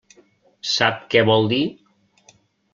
Sap què vol dir?